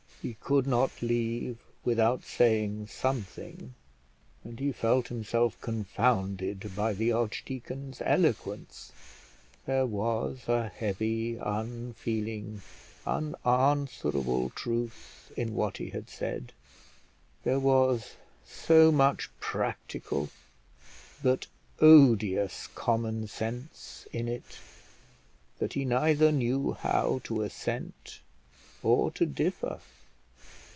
He could not leave without saying something, and he felt himself confounded by the archdeacon's eloquence. There was a heavy, unfeeling, unanswerable truth in what he had said; there was so much practical, but odious common sense in it, that he neither knew how to assent or to differ.